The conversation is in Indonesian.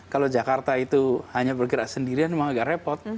kalau jakarta itu hanya bergerak sendirian memang agak repot